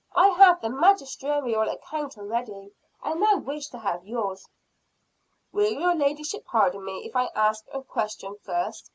"I have had the magisterial account already, and now wish to have yours." "Will your ladyship pardon me if I ask a question first?